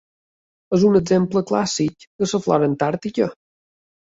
És un exemple clàssic de la flora antàrtica.